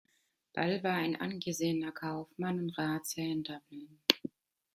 Ball war ein angesehener Kaufmann und Ratsherr in Dublin.